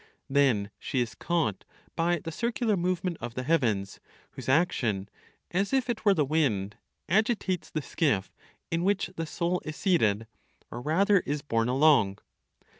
Then she is caught by the circular movement of the heavens, whose action, as if it were the wind, agitates the skiff in which the soul is seated; or rather, is borne along.